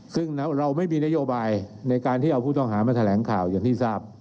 ซึ่งเราไม่มีนโยบายในการที่เอาผู้ต้องหามาแถลงข่าวอย่างที่ทราบ